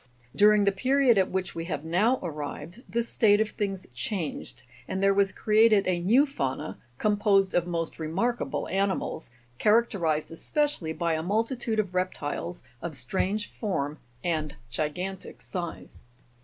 Dur ing the period at which we have now arrived, this state of things changed, and there Avas created a new fauna composed of most remarkable animals, characterized especially by a multitude of reptiles, of strange form and gigantic size.